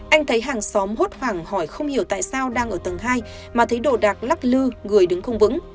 anh thấy hàng xóm hốt hoảng hỏi không hiểu tại sao đang ở tầng hai mà thấy đồ đạc lắc lư người đứng không vững